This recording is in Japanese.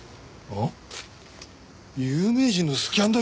あっ？